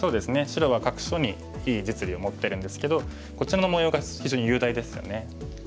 白は各所にいい実利を持ってるんですけどこちらの模様が非常に雄大ですよね。